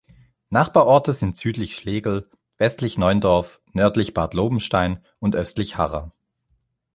Nachbarorte sind südlich Schlegel, westlich Neundorf, nördlich Bad Lobenstein und östlich Harra.